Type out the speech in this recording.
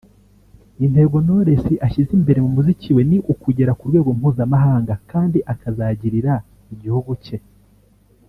Intego Knowless ashyize imbere mu muziki we ni ukugera ku rwego mpuzamahanga kandi akazagirira igihugu cye